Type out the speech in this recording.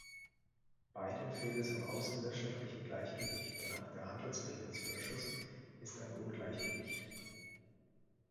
Beiden fehlt es am außenwirtschaftlichen Gleichgewicht, denn auch der Handelsbilanzüberschuss ist ein Ungleichgewicht.